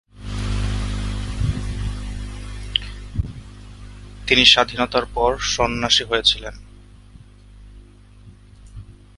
তিনি স্বাধীনতার পর সন্ন্যাসী হয়েছিলেন।